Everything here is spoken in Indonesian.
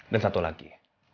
dan satu lagi